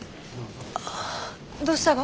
どうしたが？